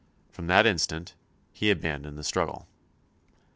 From that instant he abandoned the struggle.